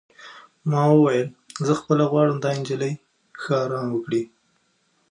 ما وویل: زه خپله غواړم دا نجلۍ ښه ارام وکړي.